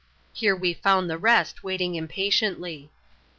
Here we found the reft waiting impatiently.